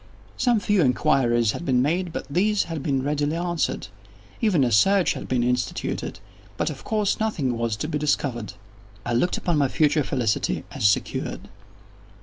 Some few inquiries had been made, but these had been readily answered. Even a search had been instituted—but of course nothing was to be discovered. I looked upon my future felicity as secured.